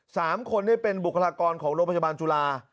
สามคนเป็นบุคลากรของโลกพจบาลจุรา